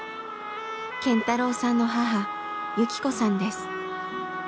健太郎さんの母幸子さんです。